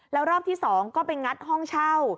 แล้วรอบที่๒ก็ไปงัดห้องเช่า